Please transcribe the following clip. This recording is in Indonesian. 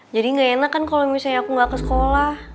jadi gak enak kan kalo misalnya aku gak ke sekolah